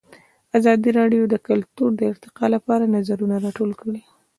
ازادي راډیو د کلتور د ارتقا لپاره نظرونه راټول کړي.